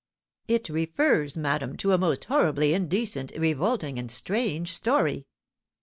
"It refers, madame, to a most horribly indecent, revolting, and strange story."